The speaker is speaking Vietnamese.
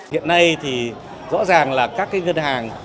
hiện nay thì rõ ràng là các ngân hàng